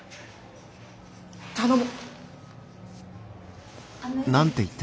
頼む！